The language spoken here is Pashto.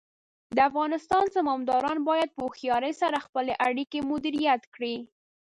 د افغانستان زمامداران باید په هوښیارۍ سره خپلې اړیکې مدیریت کړي.